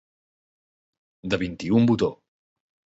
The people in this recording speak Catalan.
De vint-i-un botó.